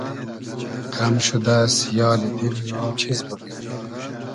غئم شودۂ سیالی دیل ما چیز بوگیم